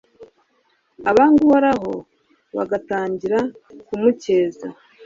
abanga Uhoraho bagatangira kumukeza